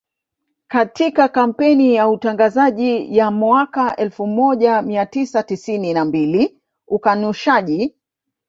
Katika kampeni ya utangazaji ya mwaka elfu moja mia tisa tisini na mbili ukanushaji